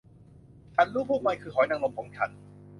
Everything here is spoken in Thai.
ฉันรู้พวกมันคือหอยนางรมของฉัน